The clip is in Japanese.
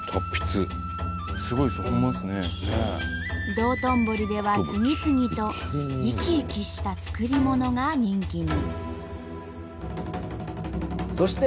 道頓堀では次々と生き生きした作り物が人気に。